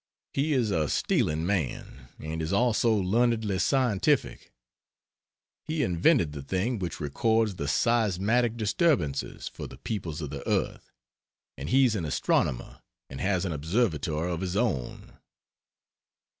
He is a stealing man, and is also learnedly scientific. He invented the thing which records the seismatic disturbances, for the peoples of the earth. And he's an astronomer and has an observatory of his own.